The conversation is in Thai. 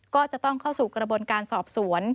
ก็จะต้องเข้าสู่กระบวนการสอบสวน